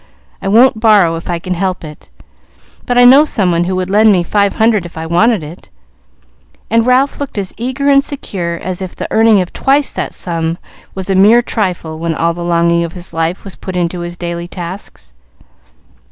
I won't borrow if I can help it, but I know someone who would lend me five hundred if I wanted it;" and Ralph looked as eager and secure as if the earning of twice that sum was a mere trifle when all the longing of his life was put into his daily tasks.